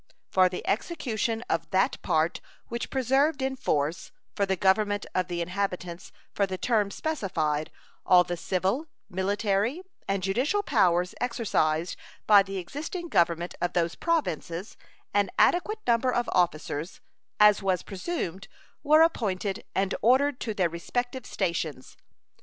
For the execution of that part which preserved in force, for the Government of the inhabitants for the term specified, all the civil, military, and judicial powers exercised by the existing Government of those Provinces an adequate number of officers, as was presumed, were appointed, and ordered to their respective stations.